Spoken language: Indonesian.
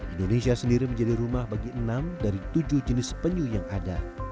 indonesia sendiri menjadi rumah bagi enam dari tujuh jenis penyu yang ada